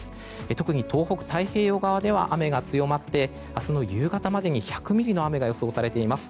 特に東北、太平洋側では雨が強まって、明日の夕方までに１００ミリの雨が予想されています。